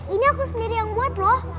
ini aku sendiri yang buat loh